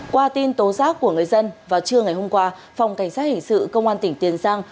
qua tin tố giác của người dân vào trưa ngày hôm qua phòng cảnh sát hình sự công an tỉnh tiền giang